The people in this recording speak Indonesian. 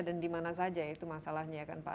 dan dimana saja itu masalahnya ya pak